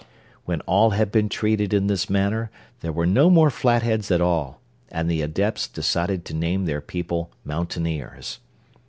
When all had been treated in this manner there were no more Flatheads at all, and the Adepts decided to name their people Mountaineers.